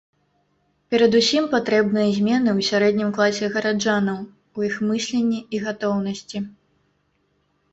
Перадусім патрэбныя змены ў сярэднім класе гараджанаў, у іх мысленні і гатоўнасці.